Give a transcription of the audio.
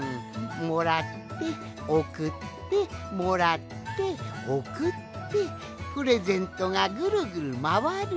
もらっておくってもらっておくってプレゼントがぐるぐるまわる。